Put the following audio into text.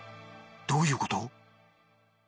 どういうこと？